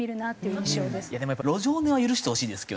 でもやっぱ路上寝は許してほしいですけどね。